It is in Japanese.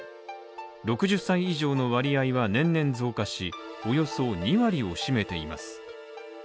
６０歳以上の割合は年々増加し、およそ２割を占めています。